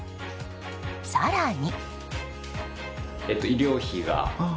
更に。